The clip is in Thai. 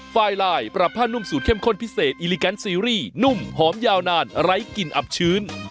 เดี๋ยวเราไปครบตรงชาติเดี๋ยวกลับมากันฮะ